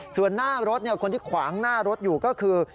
ส่วนหน้ารถคนที่ขวางหน้ารถอยู่ก็คือ